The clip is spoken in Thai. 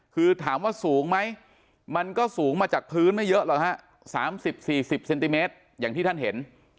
คือถามว่าสูงไหมมันก็สูงมาจากพื้นไม่เยอะหรอกฮะ๓๐๔๐เซนติเมตรอย่างที่ท่านเห็น